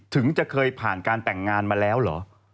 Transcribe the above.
ถึงจะเคยผ่านการแต่งงานมาแล้วเหรอ